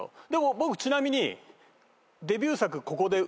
僕ちなみに。